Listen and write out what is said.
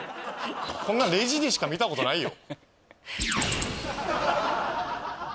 こんなんレジでしか見たことないよ